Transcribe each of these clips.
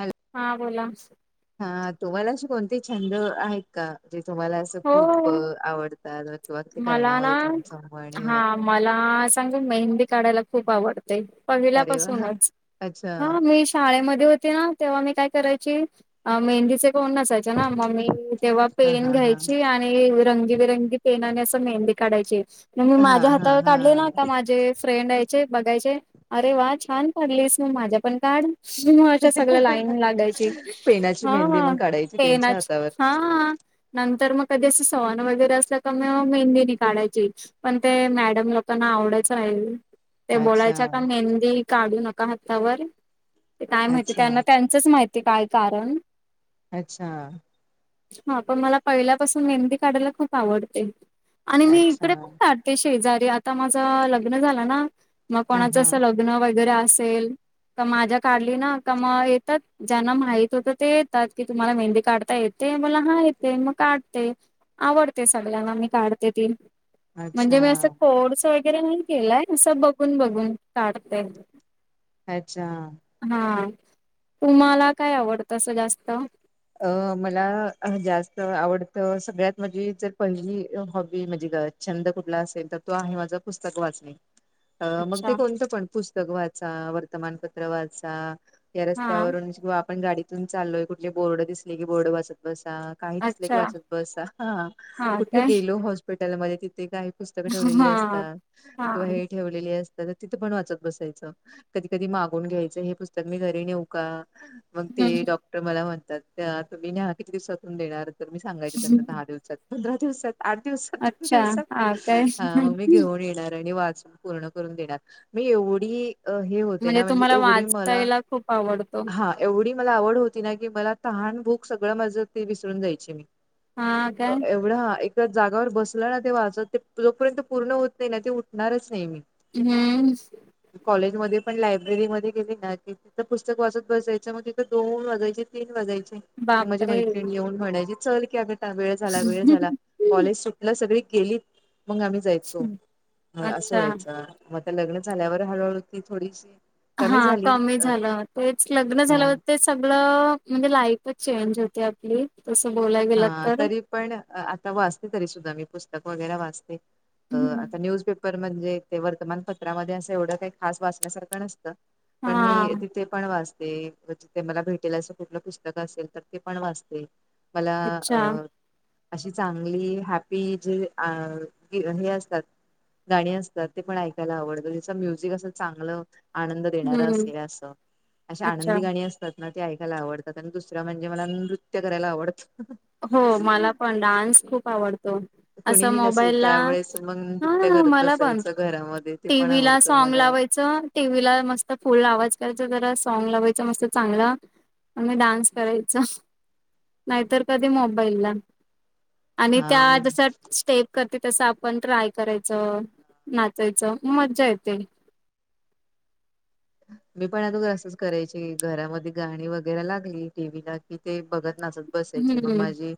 ह [unintelligible] हा बोला. हा तुम्हाला अशी कोणते छंद आहेत का जे तुम्हाला अस खूप हो आवडतात किंवा ते मला ना करण्यामध्ये तुमचं मन हे हा होतं. मला सांगू मेंहेंदी काढायला खूप आवडते पहिल्या अरे वा हा पासूनच अच्छा ह मी शाळेमध्ये होती ना तेव्हा मी काय करायची अ मेंदीचे कोण नसायचे चेना मग मी तेव्हा हा पेन हा हा घ्यायची आणि रंगीबरंगी पेनाने असं मेहंदी काढायची. म मी हा माझ्या हा हातावर हा काढले ना का माझे फ्रेंड आहेत, चे बघायचे अरे वाह छान कागलीस मग माझ्या पण काढ. म अशा सगळ्या लाईन लागायची पेनाची हा मेहंदी हा मग काढायची त्यांच्या पेनाची हातावर हा, तर मग कधी असं सण वगैरे असलं का मग मेहंदीनी काढायची. पण ते मॅडम लोकांना आवडचं नाही. ते अच्छा बोलायच्या का मेहंदी काढू नका हातावर ते काय माहिती अच्छा त्यांना त्यां त्याच माहितीय काय कारण, अच्छा हा पण मला पहिल्यापासून मेहंदी काढायला खूप आवडते. आणि मी अच्छा इकडे पण काढते शेजारी आता माझं लग्न झालं ना मग हा कोणाचं हा असं लग लग्न वगैरे असेल. का माझ्या काढली ना का म येतात ज्यांना माहित होतं ते येतात की तुम्हाला मेहंदी काढता येत ते बोला हा येते मग, काढते आवडते सगळ्यांना मी काढते ती अच्छा म्हणजे मी असं कोर्स वगै वगैरे नाही केलंय असं बघून बघून काढते. अच्छा. हा तुम्हाला काय आवडतस जास्त. अ मला जास्त आवडतं सगळ्यात माझी जर पहिली हॉबी म्हणजे ग छंद कुठला असेल तर तो आहे माझं पुस्तक वाचणे. अ मग ते अच्छा कोणतं पण पुस्तक वाचा वर्तमानपत्र वाचा, या हा रस्त्यावरूनं आपण गाडीतून चालोय कुठले बर्ड दिसले की बोर्ड बसत बस, काही दिसलं की अच्छा वाचत बस हा कुठे काय गेलो हॉस्पिटलमध्ये तिथे काय, पुस्तकं ठेवलेली हा असतात हा किंवा हे ठेवलेली असतात तर तिथं पण वाचत बसायचं. कधी कधी मागून घ्यायचं हे पुस्तक मी घरी नेऊ का? मग ते हम्म डॉक्टर मला म्हणतात त्या तुम्ही न्याहा किती दिवसातून देणार तर मी सांगायचे त्यांना दहा दिवसात. पंधरा दिवसात आठ दिवसात दोन अच्छा दिवसात हा काय ह मग मी घेऊन येणार आणि वाचून पूर्ण करून देणार मी एवढी हे होते ना म्हणजे तुम्हाला एवढी मला वाचायला खूप आवडतो हा एवढी मला आवड होती ना की मला तहान भूक सगळं माझ ते विसरून जायची मी. हा काय एवढा जागावर बसलं ना तेव्हा वाचत ते जोपर्यंत पूर्ण होत नाही ना ते उठणारच नाही मी. हम्म कॉलेजमध्येध्ये पण लायब्ररीमध्ये गेली ना की तिथं पुस्तक वाचत बसाायचं मग तिथं दोन वाजायचे तीन वाजायचे मग माझी बापरे मैत्रिणी येऊन म्हणायची चल की आग ता वेळ झाला वेळ झाला. कॉलेज सुटलं सगळी गेलीत मग आम्ही जायचो असं अच्छा व्हायचं. मग आता लग्न झाल्यावर हळूहळू ती थोडीशी हा कमी झाली कमी अ झालं तेच लग्न झालं हो तेच सगळं म्हणजे लाईफच चेंज होती आपली तसं बोलायला गेलं हा तर. तरी पण आता वाचते तरी सुद्धा मी पुस्तक वगैरे वाचते हम्म. आता न्यूजपेप म्हणजे ते वर्तमानपत्रामध्ये असं एवढं काही खास वाचण्यासारखं नसतं. पण मी हा तिथे पण वाचते. ते मला भेटेल असं कुठलं पुस्तकं असेल तर ते पण वाचते. मला अच्छा अ अशी चांगली हॅप्पी जे हे असतात गाणी असतात ते पण ऐकायला आवडतं ज्याचं म्युझिक अस चांगलं आनंद देणार हम्म असेल असं अशी अच्छा आनंदी गाणी अस तात ना ते ऐकायला आवडतात आणि दुसरं म्हणजे मला नृत्य करायला आवडतं. हो मला पण डान्स खूप आवडतो. अस कोणीही नसेल मोबाईल ला त्यावेळेस मग नृत्य ह करत मला पण बसायचं घरामध्ये ते पण टीवी ला आवडतं सॉग मला. लावायचं टीव्ही ला मस्त फुल आवाज करायच जरा सॉग लावायचं मस्त चांगलं आणि डान्स करायच नाहीतर कधी मोबाईलला आणि त्या हा जशा स्टेप करते तसं आपण ट्राय करायचं नाचायचं मज्जा येते. मी पण अगोदर असंच करायची घरामध्ये गाणी वगैरे लागली टीव्ही ला कि ते बघत नाचत बसायची मग हम्म माझी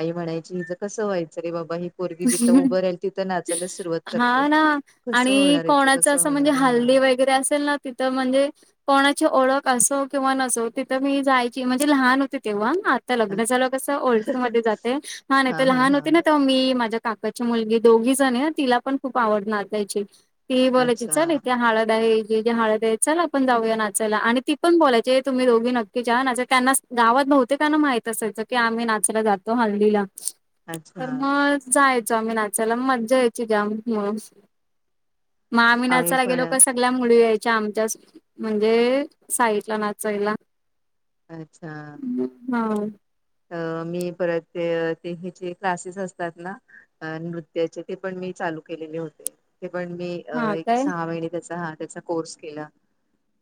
आई म्हणायची हिच कसं व्हायचं रे बाबा ही पोरगी जिथं उभं राहिल तिथं नाचायलाच सुरुवात करते हा ना कसं होणार याचं कसं होणार हा. वगैर असेल ना तिथं म्हणजे कोणाची ओळख असो किंवा नसो तिथं मी जायची म्हणजे लहान होते तेव्हा लग्न झालं कस ओळखी मध्ये जाते हा नाहीतर हा लहान हा होते ना तेव्हा मी काकाची मुलगी दोघी जणी अ तिला पण खूप आवड नाचायची. ती बोलायची अच्छा चल इथे हळद आहे जे जे हळद चल आपण जाऊया नाचायला आणि ती पण बोलायची ए तुम्ही दोघी नक्की जा ना त्यांना गावात न्हवते त्यांना माहित असायचं की आम्ही नाचला जातो हल्दीला. तर अच्छा मग जायचो आम्ही नाचायला मज्जा यायची जाम म् मग आम्ही नाचायला गेलो का सग सगल्या मुली यायच्या आमच्या म्हणजे साईड ला नाचायला. अच्छा हा. अ मी परत ते हेचे क्लासेस असतात ना? अ नृत्याचे ते पण मी चालू केलेले होते ते पण मी अ हा एक काय सहा महिने त्याचा हा त्याचा कोर्स केला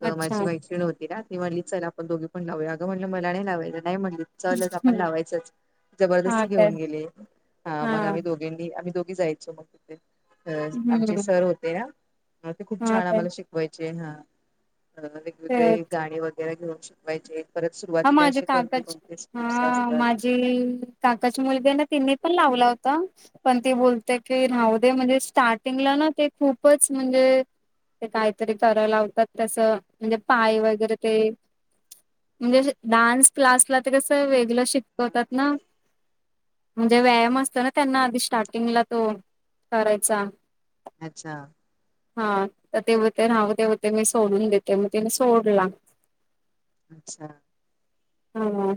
तर अच्छा माझी मैत्रिण होती ना ती म्हणली चल आपण दोघी पण लावूया अगं म्हणलं मला नाही लावाय नाही म्हणली. चलच आपण लावायचच हा जबरदस्ती काय घेऊन गेले हा मग आम्ही दो आम्ही दोघी जायचो मग तिथे. अ आमचे हम्म सर होते ना, ते खूप हा छान काय आम्हाला शिक- वायचे हा ते वेगवेगळे गाणी वगैरे घेऊन शिकवायचे. परत हा सुरुवातीला, असे कोणते, कोणते स्टेप्स असतात. जी काकाची मुलगी आहे, ना तिनी पण लावला होता. पण ती बोलते की राहू दे, म्हणजे स्टार्टिंगला ना ते खूपच म्हणजे. ते काहीतरी कराया लावतात तसं म्हणजे पाय वगैरे ते. म्हणजे असे डांन्स क्लासला त कसं वेगलं शिकवतात ना. म्हणजे व्यायाम असतो ना, त्यांना आधी स्टार्टिंगला तो करायचा. अच्छा! हा तर ते बोलते राहू दे बोलते, मी सोडून देते मग तिने सोडला. अच्छा. हा!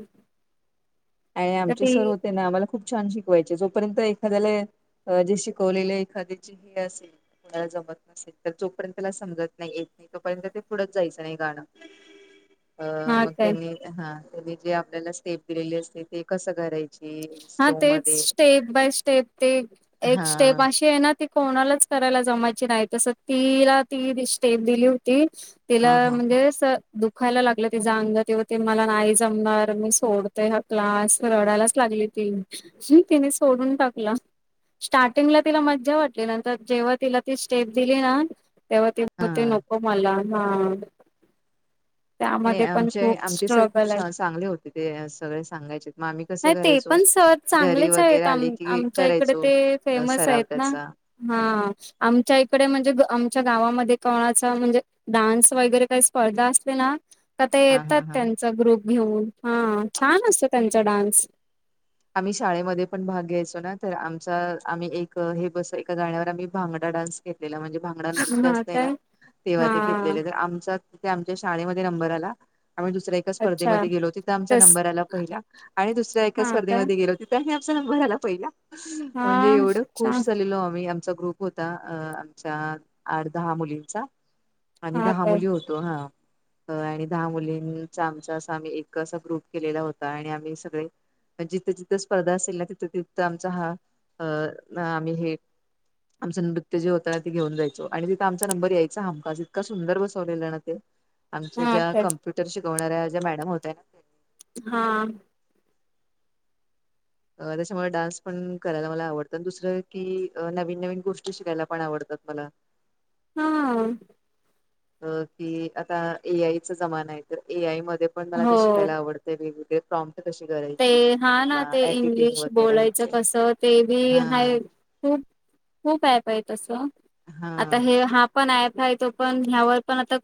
आ आमचे सर होते ना आम्हाला खूप छान शिकवायचे, जोपर्यंत एखाद्याला जे शिकवलेले एखाद्या चे हे असेल. त्याला जमत नसेल, तर जोपर्यंत त्याला समजत नाही येत तोपर्यंत ते पुढच जायचं नाही गाणं. अ हा मग काय त्यांनी, हा त्यांनी जे आपल्याला स्टेप दिलेले असते ते कस कराय हा तेच स्टेप बाय स्टेप, ते एक हा स्टेप अशी आहे ना. ती कोणालाच करायला जमायची नाही, तस तिला ती स्टेप दिली होती. तिला हा हा हा म्हणजे अस दुखायला लागलं तिचं अंग, तेव्हा ते मला नाही जमणार मी सोडतय हा क्लास, रडायलाच लागली. तीन तिने सोडून टाकला. स्टार्टिंगला तिला मज्जा वाटली, नंतर जेव्हा तिला ती स्टेप दिली ना. तेव्हा ती बोलते हा नको मला हा. नी त्यामध्ये पण आमचे, खूप आमचे सर खूप स्ट्रगल आहे चांगले होते, ते सगळे सांगायचे म आम्ही कसं नाही ते करायचो. पण सर घरी चांगलेच वगैरे आहेत आम आली की आमच्या इकडे करायचो ते फेमस सराव आहेत ना त्याचा. हम्म. हा! आमच्या इकडे म्हणजे आमच्या गावामध्ये, कोणाचा म्हणजे डान्स वगैरे काही स्पर्धा अस तें ना तर ते हा येतात हा हा त्यांचा ग्रुप घेऊन, हा छान असतं त्यांचा डान्स. आम्ही शाळेमध्ये पण भाग घ्यायचो ना, तर आमचा आम्ही एक हे बस एका गाण्यावर, आम्ही भांगडा डान्स. घेतलेला म्हणजे भांगंडा नृत्य हा असतय ना काय तेव्हा हा ते घेतलेले तर आमचा तिथे आमच्या शाळेमध्ये नंबर आला, आम्ही दुसऱ्या एक स्पर्धे अच्छा मध्ये गेलो तिथ आमचा तस नंबर आला पहिला, आणि दुसाऱ्या ऐका हा काय स्पर्धमधे गेलो तिथही आमचा नंबर झाला पहिला, हा म्हणजे एवढ छान खुश झालेलो आम्ही. आमचा ग्रुप होता अ आमचा आठ, दहा, मुलींचा आणि हा दहा काय मुली होत तो हा! अ आणि दहा मुलींचा आमचा असा, आम्ही एक असा ग्रुप केलेला होता. आणि आम्ही सगळे. जिथं, जिथे स्पर्धा असेल ना, तिथं, तिथं आमचा हा अ आम्ही हे. आमचं नृत्य जे होत ना ते घेऊन जायचो, आणि तिथं आमचा नंबर यायचा हमखास, इतका सुंदर बसवलेलं ना ते. आमच्या हा ज्या काय कम्प्युटर शिकवणाऱ्या ज्या मॅडम होत्या ना. हा! त्याच्यामुळे डान्स पण करायला मला आवडतं, आणि दुसरं की नवीन, नवीन गोष्टी शिकायला पण आवडतात मला. हा! अ की आता ए आयचा जमाना आहे, तर ए आय मध्येपण, मला ते हो शिकायला आवडतं. [unintelligible] कशी [unintelligible] ते हा ना किंवा ते एडिटिंग इंग्लिश वगैरे बोलायचं ह्याचे कसं, ते बी हा हाय खूप, खूप ऍप आहे तस हा आता हे हाफ पण ऍप आहे तो पण ह्यावर पण आता.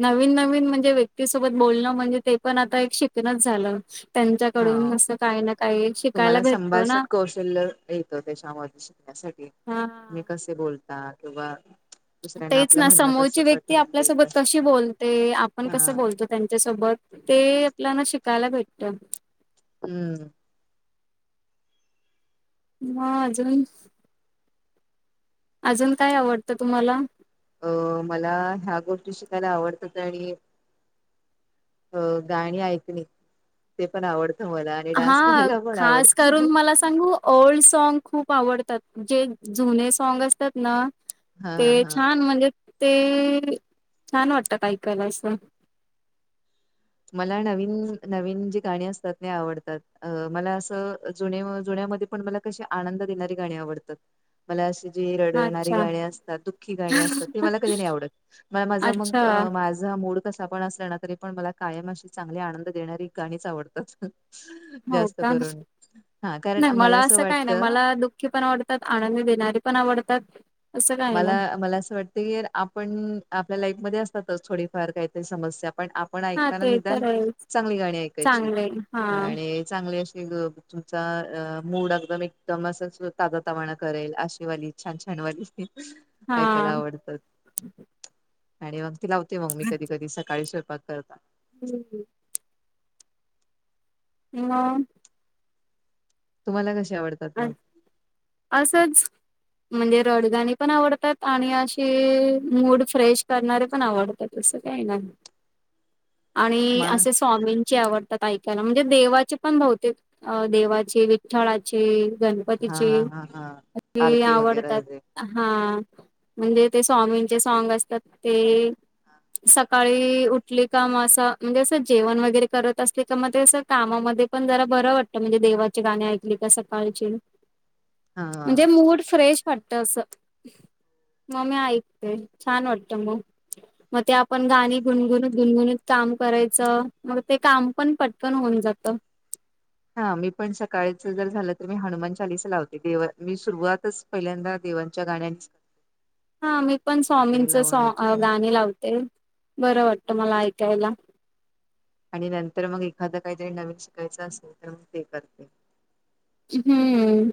नवीन, नवीन म्हणजे व्यक्तीसोबत बोलणं, म्हणजे ते पण आता एक शिकणच झालं. हा त्यांच्याकडून असं काही ना काही शिकायला भेटतो ना सोशल त्याच्याामध्ये शिकण्यासाठी हा तुम्ही कसे बोलता किंवा दुसऱ्यांना तेच आपलं ना म्हणणं कसं समोरची व्यक्ती पटवून आपल्यासोबत देत कशी बोलते आपण हा कसं बोलतो त्यांच्यासोबत ते आपल्याला शिकायला भेटत हम्म म आजून अजून काय आवडतं तुम्हाला अ मला ह्या गोष्टी शिकायला आवडतात आणि अ गाणी ऐकणी ते पण आवडतं मला आणि हा डान्स करायला पण खास करून आवडतं मला सांगू ओल्ड सँग खूप आवडतात जे जुने सँंग असतात ना हा ते हा छान म्हणजे ते छान वाटत का ऐकायला असं मला नवीन नवीन जी गाणी असतात ते आवडतात मला असं जु जुन्यामध्ये पण मला कसे आनंद देणारी गाणी आवडतात मला अशी जी रडणारी अच्छा गाणी असतात दुःखी गाणे असतात ते मला कधी नाही आवडत मला माझा मग अच्छा माझ माझा मूड कसा पण असला ना तरी पण मला कायम अशी चांगली आनंद देणारी गाणीच आवडतात हो जास्त का करून हा कारण मला असं वाटतं हि पण आवडतात आनंद देणारे पण आवडतात असं काही नाही मला मला असं वाटतं ते आपण आपल्या लाईफ मध्ये असतातच थोडीफार काहीतरी समस्या पण आपन पण हा ऐकताना ते निदान तर आहे चांगली गाणी ऐकायची चांगले हा आणि चांगली अशी तुचा मूड अगदम एकदम अस ताजा तावाणा करेल आशेवाली छान छान वाली हा ऐकायला आवडतात आणि मग ती लावते मग मी कधी कधी सकाळी स्वयंपक् करता ह ह मग तुम्हाला कशी आवडते अं असंच म्हणजे रडगाणी पण आवडतात आणि अशे मूड फ्रेश करणारे पण आवडतात आता तसं काय नाही [inaudible] म आणि असे हा स्वामींची आवड त्यात ऐकायला म्हणजे देवाचे पण बहुतेक देवाचे विठ्ठळाचे गाने गणपतीचे हा हा हा की आरती वगैरे हे आवडतात हा म्हणजे ते स्वामींचे सॉग असतात ते सकाळी उठली का म असं म्हणजे असं जेवण वगैरे करत असले का मग ते असे कामामध्ये पण जरा बरं वाटतं म्हणे देवाचे गाणे एका सकाळची हा म्हणजे मूड फ्रेश वाटत अस म मी ऐकते छान वाटत मग मग ते आपण गाणी गुणगुणत गुणगुणत काम करायचं मग ते काम पण पटकन होऊन जातं हा मी पण सकाळच जर झालं तर मी हनुमान चालीसा लावते देवा मी सुरुवातच पहिल्यांदा देवांच्या गाण्यांच हा मी पण स्वामींच सॉ गाणी लावते बरं वाटतं मला ऐकायला आणि नंतर मग एखादं काही जरी नवीन शिकायचं असेल तर मग देतात ते ई हम्म